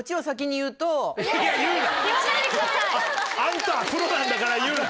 言わないでください。あんたは。